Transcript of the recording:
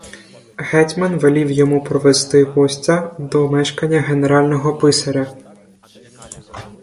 Гетьман велів йому провести гостя до мешкання генерального писаря.